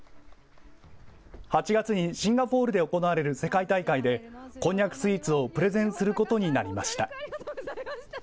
８月にシンガポールで行われる世界大会で、こんにゃくスイーツをプレゼンすることになりました。